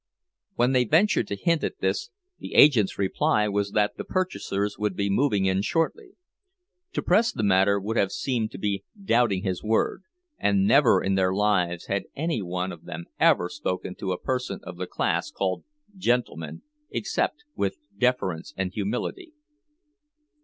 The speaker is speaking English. When they ventured to hint at this, the agent's reply was that the purchasers would be moving in shortly. To press the matter would have seemed to be doubting his word, and never in their lives had any one of them ever spoken to a person of the class called "gentleman" except with deference and humility.